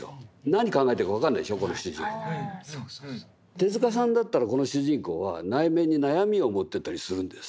手さんだったらこの主人公は内面に悩みを持ってたりするんです。